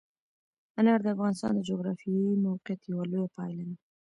انار د افغانستان د جغرافیایي موقیعت یوه لویه پایله ده.